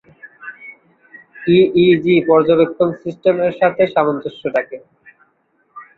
EEG পর্যবেক্ষন system এর সাথে সামঞ্জস্য রাখে।